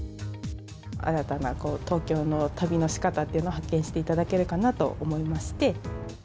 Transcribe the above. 新たな東京の旅のしかたというのを発見していただけるかなと思いまして。